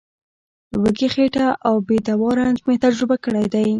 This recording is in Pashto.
وږې خېټه او بې دوا رنځ مې تجربه کړی دی.